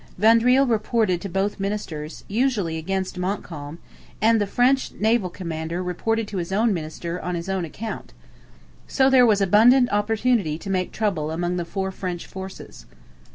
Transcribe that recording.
Vaudreuil reported to both ministers, usually against Montcalm; and the French naval commander reported to his own minister on his own account. So there was abundant opportunity to make trouble among the four French forces.